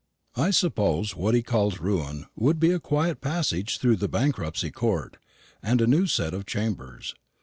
I suppose what he calls ruin would be a quiet passage through the Bankruptcy Court, and a new set of chambers.